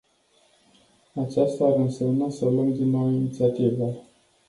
Aceasta ar însemna să luăm din nou inițiativa.